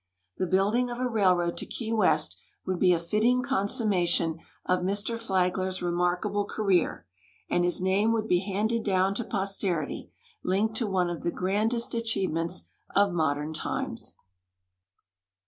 Tlie building of a railroad to Key West would be a fitting consummation of Mr. Flagler's remarkable career, and his name would be handed down to jtosterity linked to one of the grandest achievements of modern times.